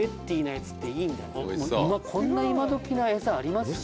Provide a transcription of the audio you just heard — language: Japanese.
こんな今どきなエサあります？